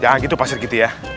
jangan gitu pak sri kiti ya